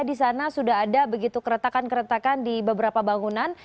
di sana sudah ada begitu keretakan keretakan di beberapa bangunan